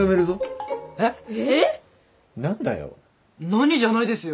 何じゃないですよ！